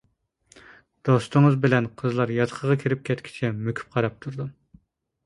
دوستىڭىز بىلەن قىزلار ياتىقىغا كىرىپ كەتكۈچە مۆكۈپ قاراپ تۇردۇم.